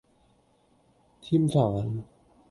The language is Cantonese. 添飯